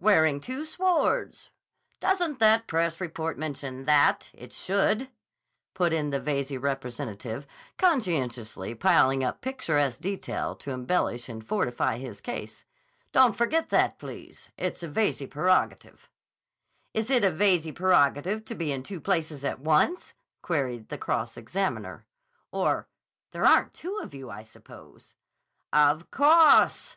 "Wearing two swords. Doesn't the press report mention that? It should," put in the Veyze representative conscientiously piling up picturesque detail to embellish and fortify his case. "Don't forget that, please. It's a Veyze prerogative." "Is it a Veyze prerogative to be in two places at once?" queried the cross examiner. "Or—there aren't two of you, I suppose." "Of _cawse!